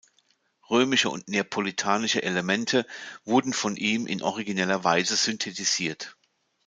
Römische und neapolitanische Elemente wurden von ihm in origineller Weise synthetisiert.